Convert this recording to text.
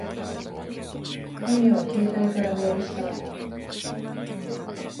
今夜は携帯からメールした。